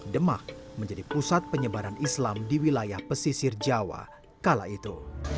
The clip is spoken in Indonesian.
demak menjadi pusat penyebaran islam di wilayah pesisir jawa kala itu